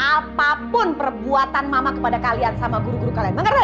apapun perbuatan mama kepada kalian sama guru guru kalian